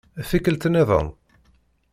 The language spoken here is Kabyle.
Tikkelt-nniḍen.